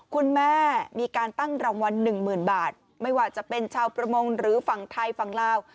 คุณแม่มีการตั้งรางวัลหนึ่งหมื่นบาทไม่ว่าจะเป็นชาวประมงหรือฝั่งไทยฝั่งลาว